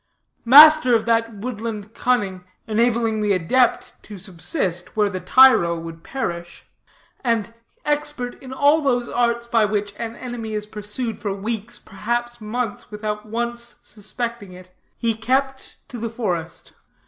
Master of that woodland cunning enabling the adept to subsist where the tyro would perish, and expert in all those arts by which an enemy is pursued for weeks, perhaps months, without once suspecting it, he kept to the forest.